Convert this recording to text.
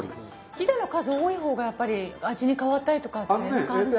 ひだの数多い方がやっぱり味に変わったりとかって何かあるんですか？